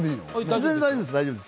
全然大丈夫です。